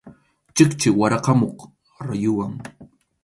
Chikchi warakʼamuq rayuwan.